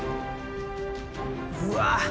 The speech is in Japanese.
うわ！